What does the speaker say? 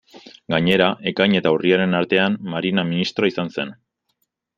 Gainera, ekain eta urriaren artean, Marina Ministroa izan zen.